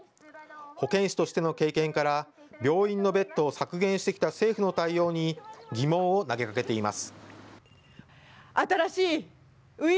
保健師としての経験から、病院のベッドを削減してきた政府の対応に疑問を投げかけています。